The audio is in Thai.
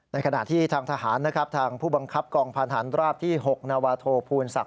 ในขณะที่ทางทหารทางผู้บังคับกองพาณฑาณราบที่๖นวโทษพูลสัก